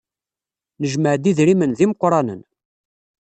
Nejmeɛ-d idrimen d imeqranen.